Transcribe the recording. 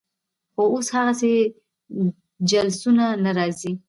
خو اوس هغسې جلوسونه نه راځي.